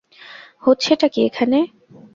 হচ্ছেটা কী এখানে?